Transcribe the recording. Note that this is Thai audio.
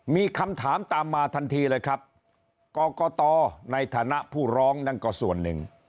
มีคำถามตามมาทันทีเลยครับกรกตในฐานะผู้ร้องนั่นก็ส่วนหนึ่ง